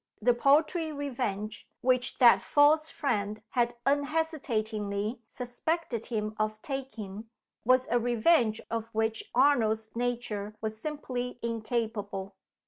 The paltry revenge which that false friend had unhesitatingly suspected him of taking was a revenge of which Arnold's nature was simply incapable.